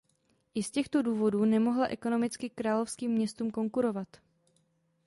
I z těchto důvodů nemohla ekonomicky královským městům konkurovat.